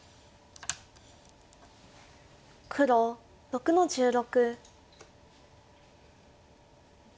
黒６の十六。